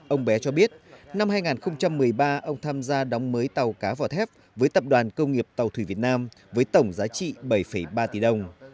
ông bé cho biết năm hai nghìn một mươi ba ông tham gia đóng mới tàu cá vỏ thép với tập đoàn công nghiệp tàu thủy việt nam với tổng giá trị bảy ba tỷ đồng